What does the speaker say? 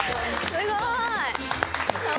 すごーい！